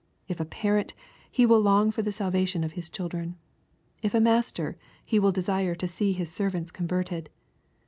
If a parent, he will long for the salvation of his children. If a master, he will desire to see his servants converted.